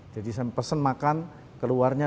jadi saya pesan makan keluarnya